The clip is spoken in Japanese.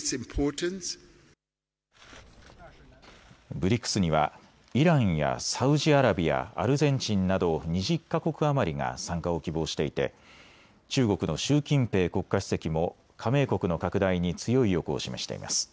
ＢＲＩＣＳにはイランやサウジアラビア、アルゼンチンなど２０か国余りが参加を希望していて中国の習近平国家主席も加盟国の拡大に強い意欲を示しています。